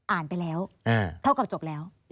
อ่านไปแล้วเท่ากับจบแล้ว